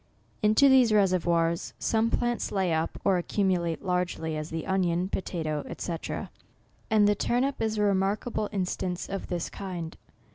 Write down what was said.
Into these reservoirs, some plants lay up or accumulate largely, as the onion, potatoe, &c. And the turnip is a remarkable instance of this kind.